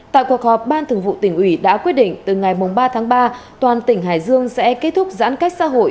tại cuộc họp ban thường vụ tỉnh ủy đã quyết định từ ngày ba tháng ba toàn tỉnh hải dương sẽ kết thúc giãn cách xã hội